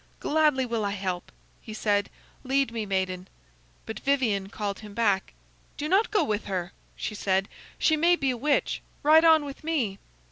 "Gladly will I help," he said; "lead me, maiden." But Vivien called him back. "Do not go with her," she said. "She may be a witch. Ride on with me."